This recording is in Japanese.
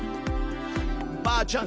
「ばあちゃん